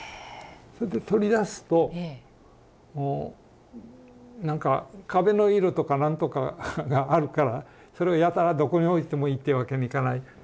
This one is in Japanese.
それで取り出すともうなんか壁の色とかなんとかがあるからそれをやたらどこに置いてもいいってわけにいかない。